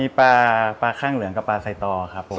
มีปลาข้างเหลืองกับปลาไซตอครับผม